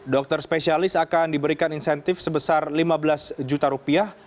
dokter spesialis akan diberikan insentif sebesar lima belas juta rupiah